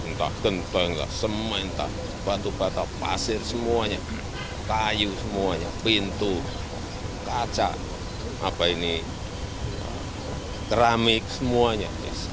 entah tentu atau enggak semua entah batu batu pasir semuanya kayu semuanya pintu kaca keramik semuanya